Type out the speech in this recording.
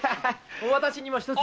私にも一つ。